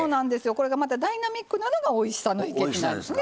これがまたダイナミックなのがおいしさの秘けつなんですね。